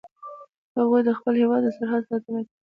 هغوی د خپل هیواد د سرحد ساتنه کوي